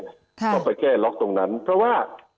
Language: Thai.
ก็ไปแก้ล็อกตรงนั้นเพราะว่า